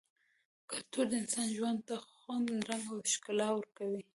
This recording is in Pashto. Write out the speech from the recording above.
کلتور د انسان ژوند ته خوند ، رنګ او ښکلا ورکوي -